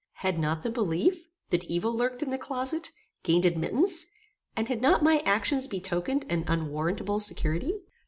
Had not the belief, that evil lurked in the closet, gained admittance, and had not my actions betokened an unwarrantable security?